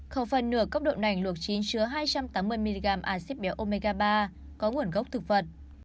khẩu phần nửa cốc đậu nành luộc chín chứa hai trăm tám mươi mg acid béo omega ba có nguồn gốc thực vật